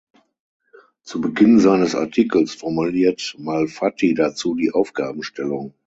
Zu Beginn seines Artikels formuliert Malfatti dazu die Aufgabenstellung.